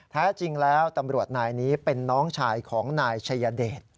แท้จริงแล้วตำรวจนายนี้เป็นน้องชายของนายชัยเดช